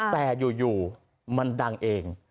แต่อยู่มันดังเอง